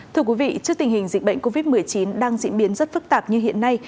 thưa quý vị trước tình hình dịch bệnh covid một mươi chín đang diễn biến rất phức tạp như hiện nay